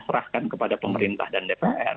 serahkan kepada pemerintah dan dpr